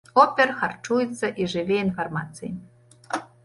Опер харчуецца і жыве інфармацыяй.